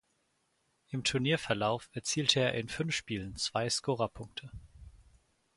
Im Turnierverlauf erzielte er in fünf Spielen zwei Scorerpunkte.